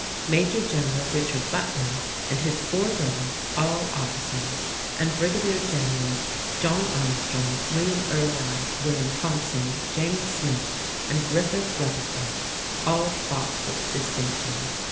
Major General Richard Butler and his four brothers, all officers, and Brigadier Generals John Armstrong, William Irvine, William Thompson, James Smith, and Griffith Rutherford all fought with distinction.